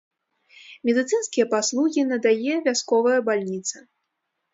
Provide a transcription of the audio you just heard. Медыцынскія паслугі надае вясковая бальніца.